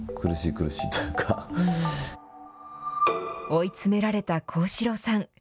追い詰められた幸四郎さん。